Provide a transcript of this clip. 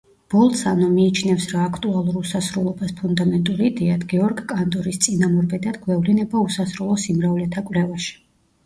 ბოლცანო მიიჩნევს რა აქტუალურ უსასრულობას ფუნდამენტურ იდეად გეორგ კანტორის წინამორბედად გვევლინება უსასრულო სიმრავლეთა კვლევაში.